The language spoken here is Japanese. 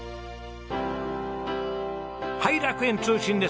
はい楽園通信です。